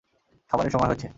খাবারের সময় হয়েছে!